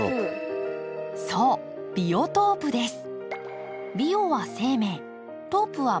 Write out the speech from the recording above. そうビオトープです。